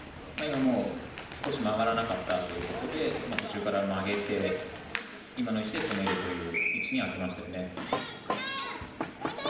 少し曲がらなかったということで途中から曲げて今の石で止めるという位置に当てましたよね。